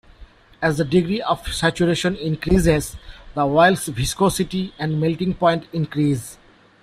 As the degree of saturation increases, the oil's viscosity and melting point increase.